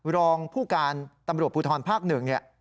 รองผู้การตำรวจภูทรภาพหนึ่งนี่